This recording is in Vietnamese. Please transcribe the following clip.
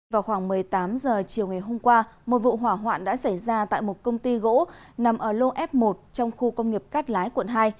vào khoảng một mươi tám h chiều ngày hôm qua một vụ hỏa hoạn đã xảy ra tại một công ty gỗ nằm ở lô f một trong khu công nghiệp cát lái quận hai